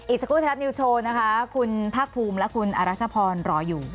สักครู่ไทยรัฐนิวโชว์นะคะคุณภาคภูมิและคุณอรัชพรรออยู่